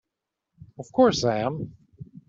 Of course I am!